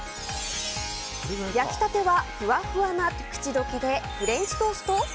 焼きたては、ふわふわな口溶けでフレンチトースト？